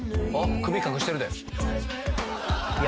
首隠してるでいや